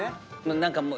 何かもう。